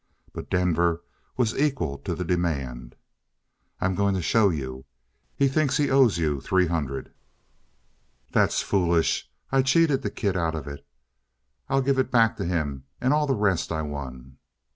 But Denver was equal to the demand. "I'm going to show you. He thinks he owes you three hundred." "That's foolish. I cheated the kid out of it. I'll give it back to him and all the rest I won."